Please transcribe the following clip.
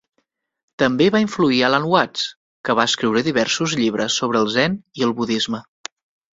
També va influir Alan Watts, que va escriure diversos llibres sobre el Zen i el Budisme.